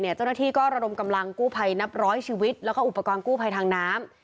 เจ้าหน้าที่ก็ระดมกำลังกู้ภัยนับร้อยชีวิตแล้วก็อุปกรณ์กู้ภัยทางน้ำ